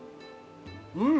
うん！